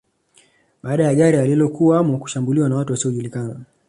Baada ya gari alilokuwamo kushambuliwa na watu wasiojulikana